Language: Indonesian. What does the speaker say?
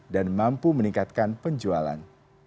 dan mampu meningkatkan penjualan